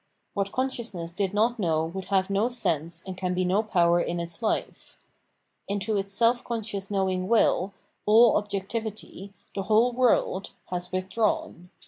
What consciousness did not know would have no sense and can be no power in its life. Into its self conscious knowing will, all objectivity, the whole world, has withdrawn.